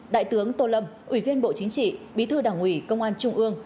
đại tướng tô lâm ủy viên bộ chính trị bí thư đảng ủy công an trung ương